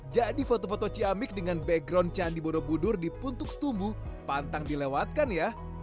jadi foto foto ciamik dengan background candi borobudur di puntuk stubu pantang dilewatkan ya